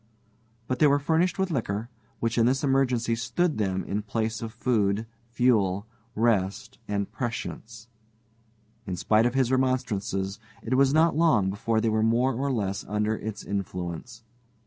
But they were furnished with liquor, which in this emergency stood them in place of food, fuel, rest, and prescience. In spite of his remonstrances, it was not long before they were more or less under its influence.